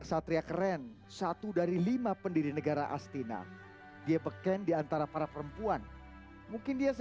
satria keren satu dari lima pendiri negara astina dia beken diantara para perempuan mungkin dia